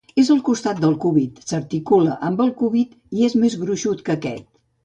És al costat del cúbit, s'articula amb el cúbit, i és més gruixut que aquest.